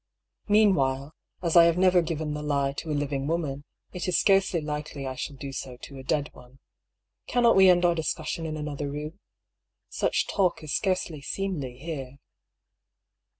Meanwhile, as I have never given the lie to a living woman, it is scarcely likely I shall do so to a dead one. Cannot we end our discussion in another room ? Such talk is scarcely seemly here."